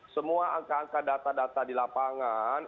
semua angka angka data data di lapangan